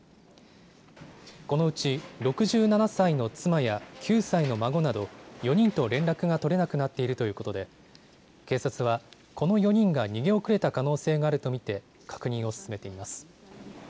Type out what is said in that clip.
このうち６７歳の妻や９歳の孫など４人と連絡が取れなくなっているということで警察はこの４人が逃げ遅れた可能性があると見て確認を進めています。